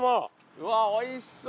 うわおいしそう！